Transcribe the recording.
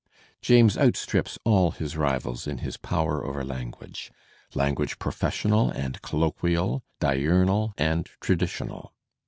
James outstrips all his rivals in his power over language»<:% language professional and colloquial, diurnal and traditional.